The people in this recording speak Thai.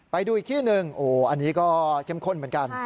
ไปดูอีกที่หนึ่งอันนี้ก็เข้มข้นเหมือนกัน